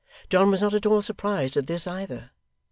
John was not at all surprised at this, either.